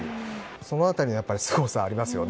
その辺りにすごさがありますね。